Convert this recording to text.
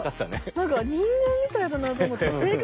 なんか人間みたいだなと思って。